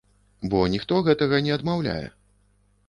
Бо ніхто гэтага не адмаўляе.